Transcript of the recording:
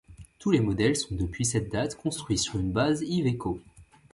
Tous les modèles sont depuis cette date construits sur une base Iveco.